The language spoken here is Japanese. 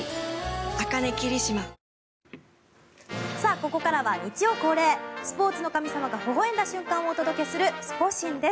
ここからは日曜恒例スポーツの神様がほほ笑んだ瞬間をお届けするスポ神です。